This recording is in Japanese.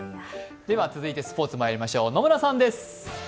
続いてスポーツまいりましょう、野村さんです。